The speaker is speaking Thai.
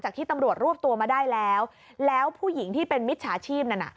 ที่ตำรวจรวบตัวมาได้แล้วแล้วผู้หญิงที่เป็นมิจฉาชีพนั่นน่ะ